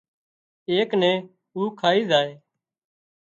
ايڪ نين اُو کائي زائي